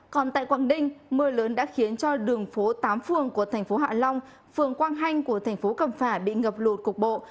còn tại quảng ninh mưa lớn đã khiến cho đường phố tám phường của thành phố hạ long phường quang hanh của thành phố cầm phả bị ngập lụt cục bộ